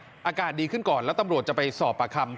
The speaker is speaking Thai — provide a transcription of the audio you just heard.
อาการดีขึ้นก่อนแล้วตำรวจจะไปสอบปากคำ